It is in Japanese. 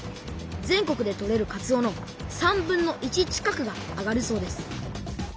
全国で取れるかつおの３分の１近くがあがるそうです。